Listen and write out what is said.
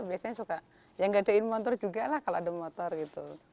biasanya suka ya nggak adain motor juga lah kalau ada motor gitu